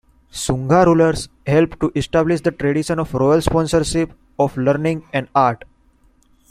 Shunga rulers helped to establish the tradition of royal sponsorship of learning and art.